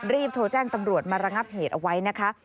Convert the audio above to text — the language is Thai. รีบโทรแจ้งตำรวจมาระงับเหตุเอาไว้นะคะ